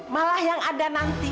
malah yang ada nanti